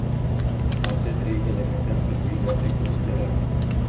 Alte trei elemente ar trebui luate în considerare.